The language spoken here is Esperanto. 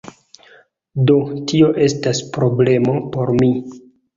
Do, tio estas problemo por mi